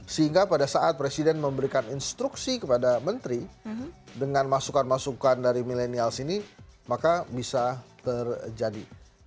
sehingga pada saat presiden memberikan instruksi kepada menteri dengan masukan masukan dari milenial sini maka bisa terjadi